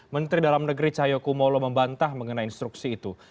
menteri dalam negeri cahyo kumolo membantah mengenai instruksi itu